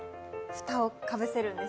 フタをかぶせるんです。